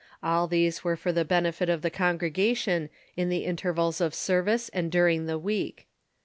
All these were for the benefit of the congregation in the intervals of service and during the week.